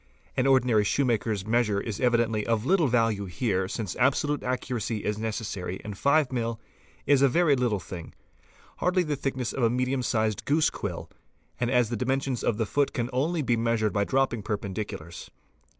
An ordinary shoemaker's measure is evidently of little value ~ here since absolute accuracy is necessary and 5 mill. is a very little thing, hardly the thickness of a medium sized goose quill, and as the dimensions of the foot can only be measured by dropping prependiculars.